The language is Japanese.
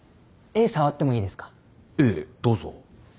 ええどうぞ。